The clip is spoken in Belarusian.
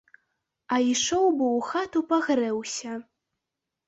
А ішоў бы ў хату пагрэўся.